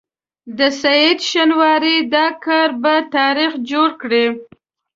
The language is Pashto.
د سعید شینواري دا کار به تاریخ جوړ کړي.